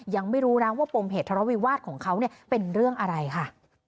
ยังไม่รู้แล้วว่าปมเหตุธรรมวิวาสของเขาเป็นเรื่องอะไรค่ะ